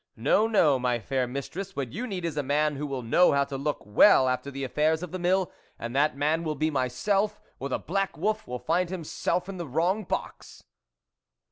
No, no, my fair mistress, what you need is a man who will know how to look well after the affairs of the mill, and that man will be myself or the black wolf will find himself in the wrong box."